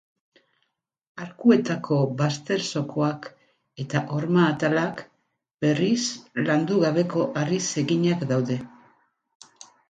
Arkuetako bazter-zokoak eta horma-atalak, berriz, landu gabeko harriz eginak daude.